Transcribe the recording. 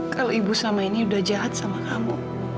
kalau ibu sama ini udah jahat sama kamu